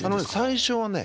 最初はね